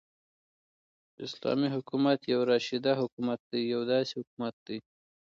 ح : اسلامې حكومت يو راشده حكومت دى يو داسي حكومت دى